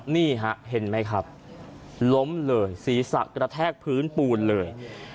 นี่ฮะเห็นไหมครับล้มเลยศีรษะกระแทกพื้นปูนเลย